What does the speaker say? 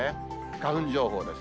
花粉情報です。